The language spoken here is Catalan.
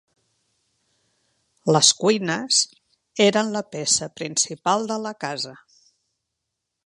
Les cuines eren la peça principal de la casa.